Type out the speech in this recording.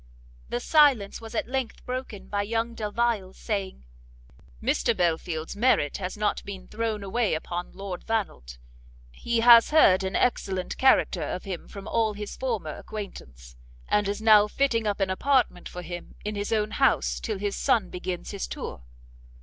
The silence was at length broken by young Delvile's saying "Mr Belfield's merit has not been thrown away upon Lord Vannelt; he has heard an excellent character of him from all his former acquaintance, and is now fitting up an apartment for him in his own house till his son begins his tour."